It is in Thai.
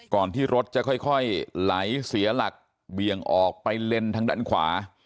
ที่รถจะค่อยไหลเสียหลักเบี่ยงออกไปเลนทางด้านขวา